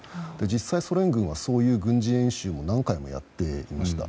実際、ソ連軍はそういう軍事演習を何回もやっていました。